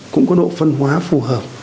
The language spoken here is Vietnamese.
cũng có độ phân hóa phù hợp